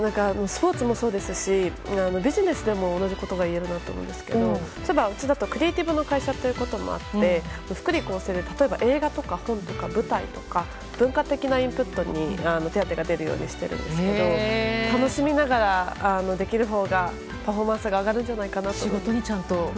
スポーツもそうですしビジネスでも同じことが言えると思うんですがうちだとクリエーティブの会社ということもあって福利厚生で例えば、映画とか舞台とか文化的なインプットに手当てが出るようにしているんですけど楽しみながらできるほうがパフォーマンスが上がるんじゃないかと。